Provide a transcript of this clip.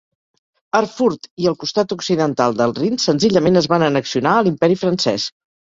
Erfurt i el costat occidental del Rin senzillament es van annexionar a l'Imperi Francès.